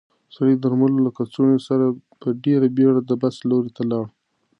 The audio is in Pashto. سړی د درملو له کڅوړې سره په ډېرې بیړې د بس لور ته لاړ.